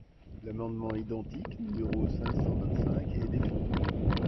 L’amendement identique numéro cinq cent vingt-cinq est défendu.